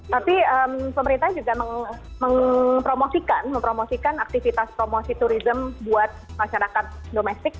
tapi pemerintah juga mempromosikan aktivitas promosi turisme buat masyarakat domestik